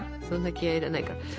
そんな気合要らないから。